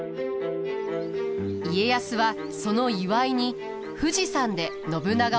家康はその祝いに富士山で信長をもてなします。